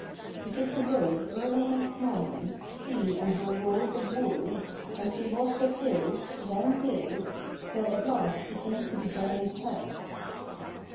She took the road early next morning, she and her rolls of wool, and she walked up hills, down gills, till at last she came to the Giant's house.